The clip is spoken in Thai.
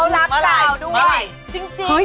เขารักเจ้าด้วย